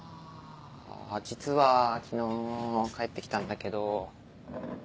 実は昨日帰ってきたんだけど。